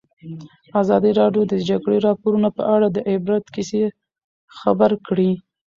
ازادي راډیو د د جګړې راپورونه په اړه د عبرت کیسې خبر کړي.